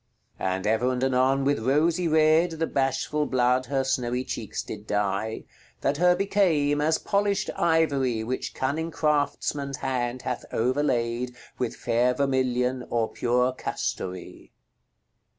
And ever and anone with rosy red The bashfull blood her snowy cheekes did dye, That her became, as polisht yvory Which cunning craftesman hand hath overlayd With fayre vermilion or pure castory." § LXXVII.